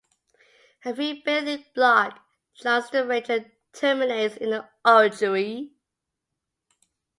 A three-bay link block joins the ranges and terminates in the orangery.